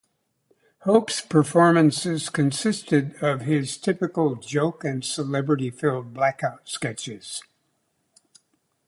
Hope's performances consisted of his typical joke- and celebrity-filled blackout sketches.